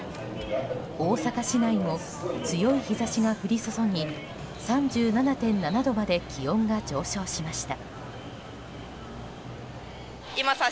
大阪市内も強い日差しが降り注ぎ３７．７度まで気温が上昇しました。